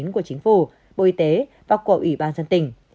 của chính phủ bộ y tế và của ủy ban dân tỉnh